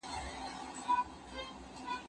زه به کتابونه ليکلي وي!